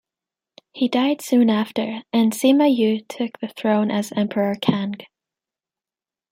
He died soon after, and Sima Yue took the throne as Emperor Kang.